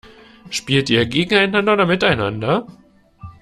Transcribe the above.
Spielt ihr gegeneinander oder miteinander?